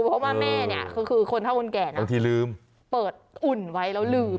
เพราะว่าแม่เนี้ยคือคือคนถ้าอุ่นแก่น่ะตอนที่ลืมเปิดอุ่นไว้แล้วลืม